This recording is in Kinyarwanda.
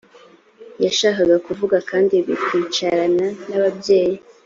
yashakaga kuvuga kandi bikwicarana n ababyeyi